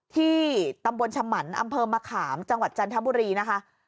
ที่ตำบลฉมันอำเภอมะขามจังหวัดจันทบุรีนะคะ